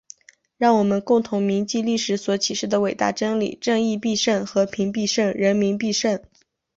让我们共同铭记历史所启示的伟大真理：正义必胜！和平必胜！人民必胜！